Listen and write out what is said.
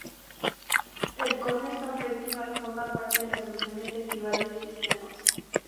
El Cornerstone Festival forma parte de la Asociación de Festivales Cristianos.